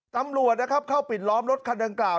ตำรวจนะครับเข้าปิดล้อมรถคันดังกล่าว